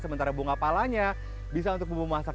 sementara bunga palanya bisa untuk bumbu masak